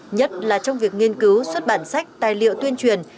nhất là trong việc nghiên cứu xuất bản sách tài liệu tuyên truyền